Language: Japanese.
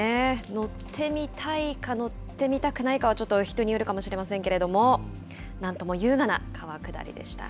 乗ってみたいか乗ってみたくないかは、ちょっと人によるかもしれませんけれども、なんとも優雅な川下りでした。